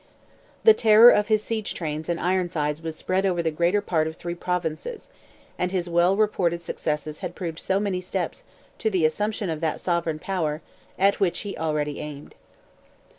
The terror of his siege trains and Ironsides was spread over the greater part of three Provinces, and his well reported successes had proved so many steps to the assumption of that sovereign power at which he already aimed.